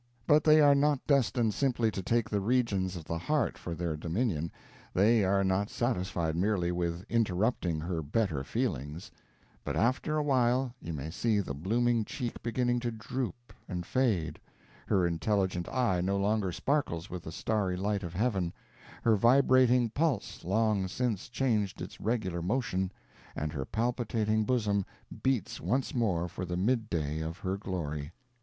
But they are not destined simply to take the regions of the heart for their dominion, they are not satisfied merely with interrupting her better feelings; but after a while you may see the blooming cheek beginning to droop and fade, her intelligent eye no longer sparkles with the starry light of heaven, her vibrating pulse long since changed its regular motion, and her palpitating bosom beats once more for the midday of her glory.